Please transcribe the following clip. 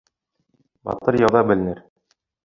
Батыр яуҙа беленер